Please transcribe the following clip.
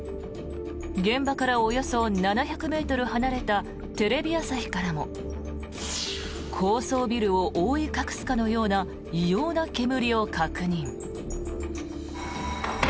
現場からおよそ７００ｍ離れたテレビ朝日からも高層ビルを覆い隠すかのような異様な煙を確認。